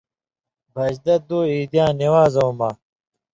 بھَژدہ دُو عیدیاں نِوان٘زٶں مہ